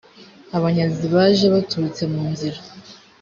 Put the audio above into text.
abanyazi baje baturutse mu nzira